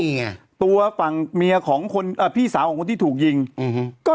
นี่ไงตัวฝั่งเมียของคนอ่าพี่สาวของคนที่ถูกยิงอืมก็